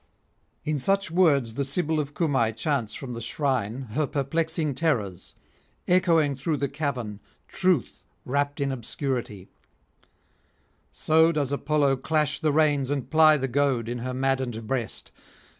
In such words the Sibyl of Cumae chants from the shrine her perplexing terrors, echoing through the cavern truth wrapped in obscurity: so does Apollo clash the reins and ply the goad in her maddened breast.